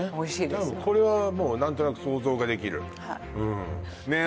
多分これはもう何となく想像ができるうんねえ